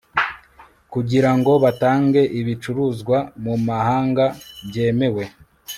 kugira ngo batange ibicuruzwa mu mahanga byemewe